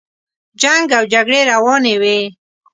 جنګ او جګړې روانې وې.